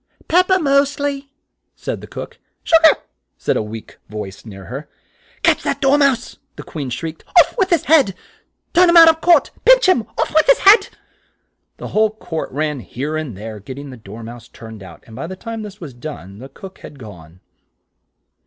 "Pep per, most ly," said the cook. "Sug ar," said a weak voice near her. "Catch that Dor mouse," the Queen shrieked out. "Off with his head! Turn him out of court! Pinch him! Off with his head!" The whole court ran here and there, get ting the Dor mouse turned out, and by the time this was done, the cook had gone.